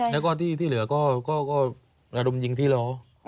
แล้วก็ที่เหลืออารมณ์จึงที่เหลอ